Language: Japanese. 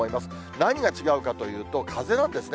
何が違うかというと、風なんですね。